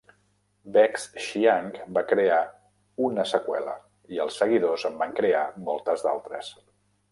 Vex Xiang va crear una seqüela i els seguidors en van crear moltes d'altres.